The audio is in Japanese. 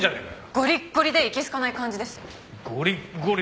ゴリッゴリでいけ好かない感じです。